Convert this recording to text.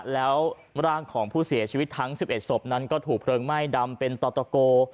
แล้วร่างของผู้เสียชีวิตทั้ง๑๑ศพนั้นก็ถูกเพลิงไหม้ดำเป็นต่อตะโก